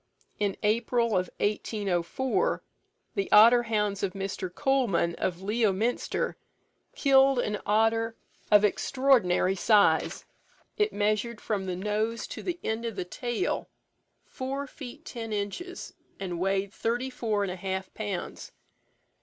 In April 1804, the otter hounds of Mr. Coleman, of Leominster, killed an otter of extraordinary size. It measured from the nose to the end of the tail, four feet ten inches, and weighed thirty four and a half pounds.